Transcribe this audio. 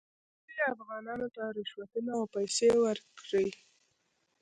تاسې ښایي افغانانو ته رشوتونه او پیسې ورکړئ.